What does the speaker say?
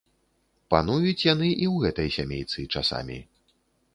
Пануюць яны і ў гэтай сямейцы часамі.